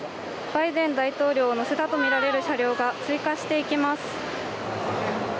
バイデン大統領を乗せたとみられる車両が通過していきます。